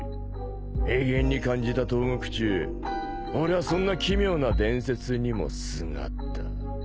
永遠に感じた投獄中俺はそんな奇妙な伝説にもすがった。